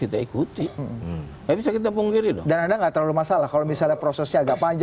taufik masuk gitu namanya